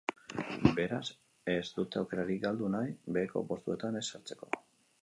Beraz, ez dute aukerarik galdu nahi, beheko postuetan ez sartzeko.